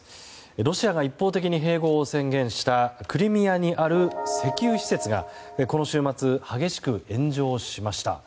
ロシアが一方的に併合を宣言したクリミアにある石油施設がこの週末、激しく炎上しました。